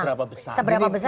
kita tidak tahu seberapa besar